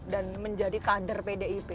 dan menjadi kader pdip